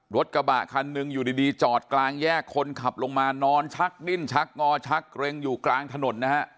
รถกระบะคันหนึ่งอยู่ดีจอดกลางแยกคนขับลงมานอนชักดิ้นชักงอชักเกร็งอยู่กลางถนนนะฮะ